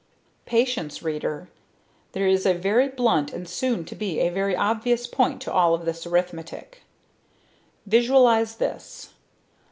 Patience, reader. There is a very blunt and soon to be a very obvious point to all of this arithmetic. Visualize this!